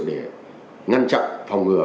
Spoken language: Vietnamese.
để ngăn chặn phòng ngừa